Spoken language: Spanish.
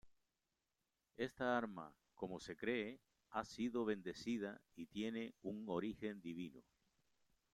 Esta arma, como se cree, ha sido "bendecida" y tiene un origen divino.